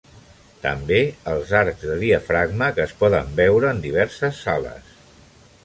També, els arcs de diafragma que es poden veure en diverses sales.